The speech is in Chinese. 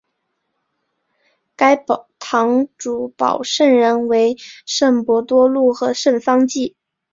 该堂主保圣人为圣伯多禄和圣方济。